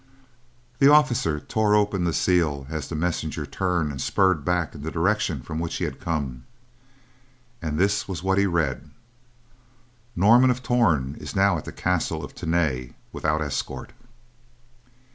The officer tore open the seal as the messenger turned and spurred back in the direction from which he had come. And this was what he read: Norman of Torn is now at the castle of Tany, without escort.